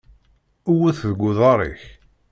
Wwet deg uḍar-ik!